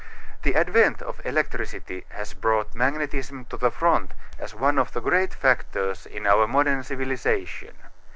The advent of electricity has brought magnetism to the front as one of the great factors in our modern civilization.